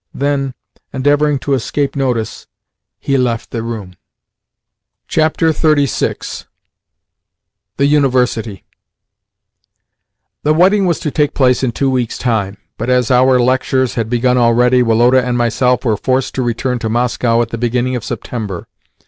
Then, endeavouring to escape notice, he left the room. XXXVI. THE UNIVERSITY THE wedding was to take place in two weeks' time, but, as our lectures had begun already, Woloda and myself were forced to return to Moscow at the beginning of September.